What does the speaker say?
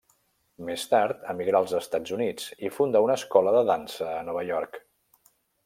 Més tard emigrà als Estats Units i fundà una escola de dansa a Nova York.